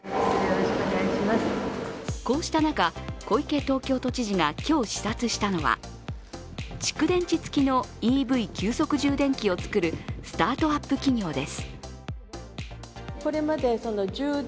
こうした中、小池東京都知事が今日視察したのは蓄電池付きのＥＶ急速充電器を作るスタートアップ企業です。